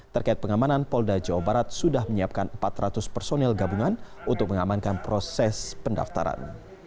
terkait pengamanan polda jawa barat sudah menyiapkan empat ratus personel gabungan untuk mengamankan proses pendaftaran